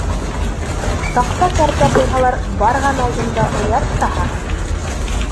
Таҡта кәртә ҡуйһалар, бар ғәм алдында оят таһа.